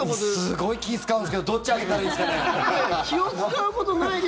すごい気使うんですけどどっち上げたらいいですかね？